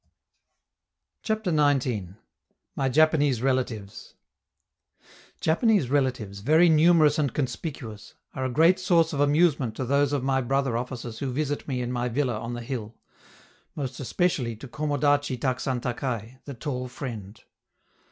CHAPTER XIX. MY JAPANESE RELATIVES Japanese relatives, very numerous and conspicuous, are a great source of amusement to those of my brother officers who visit me in my villa on the hill most especially to 'komodachi taksan takai' ("the tall friend").